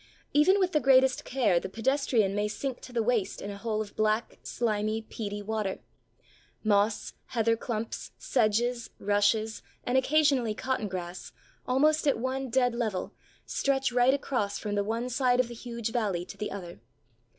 Even with the greatest care the pedestrian may sink to the waist in a hole of black, slimy, peaty water. Moss, Heather clumps, Sedges, Rushes, and occasionally Cotton grass, almost at one dead level, stretch right across from the one side of the huge valley to the other.